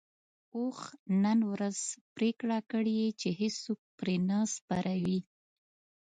اوښ نن ورځ پرېکړه کړې چې هيڅوک پرې نه سپروي.